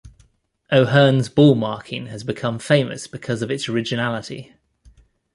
O'Hern's ball marking has become famous because of its originality.